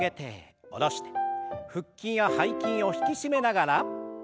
腹筋や背筋を引き締めながら。